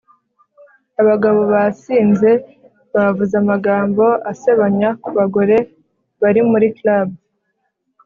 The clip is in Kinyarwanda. abagabo basinze bavuze amagambo asebanya ku bagore bari muri club